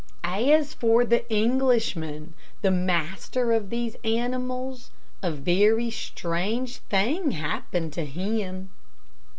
As for the Englishman, the master of these animals, a very strange thing happened to him.